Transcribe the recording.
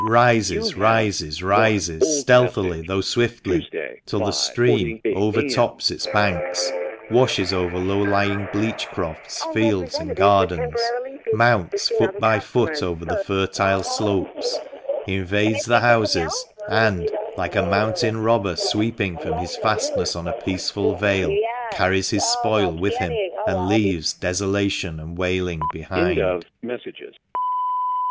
rises, rises, rises, stealthily, though swiftly, till the stream overtops its banks, washes over low lying bleach crofts, fields, and gardens, mounts foot by foot over the fertile slopes, invades the houses, and, like a mountain robber sweeping from his fastness on a peaceful vale, carries his spoil with him, and leaves desolation and wailing behind.